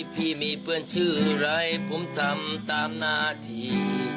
พี่มีเพื่อนชื่ออะไรผมทำตามหน้าที่